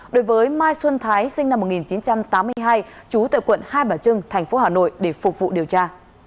đối với mai xuân thái sinh năm một nghìn chín trăm tám mươi hai trú tại quận hai bà trưng thành phố hà nội để phục vụ điều tra